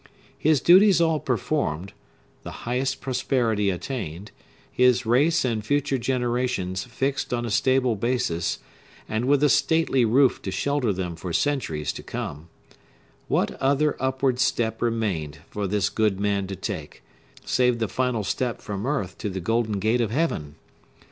His duties all performed,—the highest prosperity attained,—his race and future generations fixed on a stable basis, and with a stately roof to shelter them for centuries to come,—what other upward step remained for this good man to take, save the final step from earth to the golden gate of heaven!